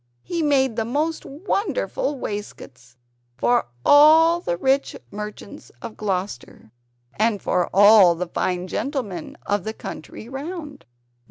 He made the most wonderful waistcoats for all the rich merchants of Gloucester, and for all the fine gentlemen of the country round.